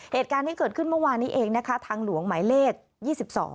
เหตุการณ์ที่เกิดขึ้นเมื่อวานนี้เองนะคะทางหลวงหมายเลข๒๒